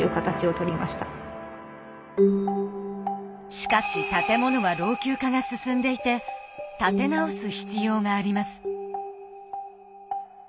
しかし建物は老朽化が進んでいて建て直す必要があります。